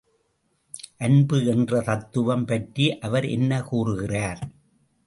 அன்பு என்ற தத்துவம் பற்றி அவர் என்ன கூறுகிறார்?